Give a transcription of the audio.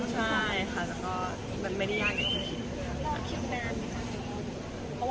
ใช่ค่ะและก็มันไม่ได้ยากอย่างจัง